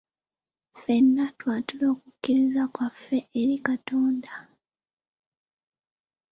Ffenna twatule okukkiriza kwaffe eri Katonda.